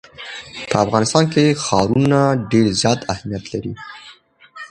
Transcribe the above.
په افغانستان کې ښارونه ډېر زیات اهمیت لري.